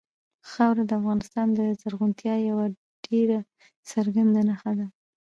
خاوره د افغانستان د زرغونتیا یوه ډېره څرګنده نښه ده.